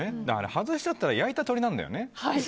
外しちゃったら焼いた鳥なんだよね。